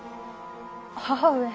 母上。